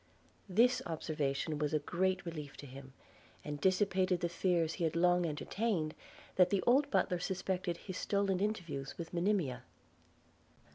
This observation was a great relief to him, and dissipated the fears he had long entertained, that the old butler suspected his stolen interviews with Monimia.